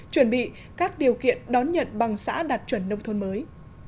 chuẩn bị các điều kiện đón nhận bằng xã đạt chuẩn nông thôn mới